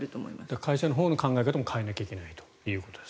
会社のほうの考え方も変えなきゃいけないということです。